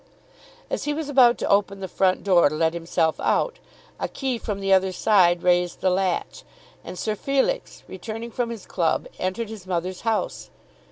As he was about to open the front door to let himself out, a key from the other side raised the latch, and Sir Felix, returning from his club, entered his mother's house.